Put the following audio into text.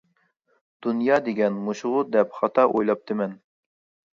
دۇنيا دېگەن مۇشۇغۇ دەپ خاتا ئويلاپتىمەن.